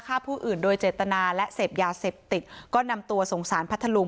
ฆ่าผู้อื่นโดยเจตนาและเสพยาเสพติดก็นำตัวสงสารพัทธลุง